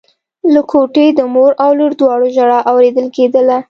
له کوټې د مور او لور دواړو ژړا اورېدل کېدله.